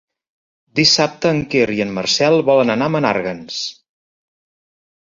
Dissabte en Quer i en Marcel volen anar a Menàrguens.